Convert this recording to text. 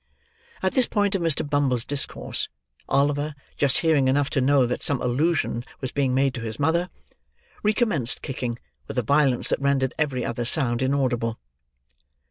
At this point of Mr. Bumble's discourse, Oliver, just hearing enough to know that some allusion was being made to his mother, recommenced kicking, with a violence that rendered every other sound inaudible.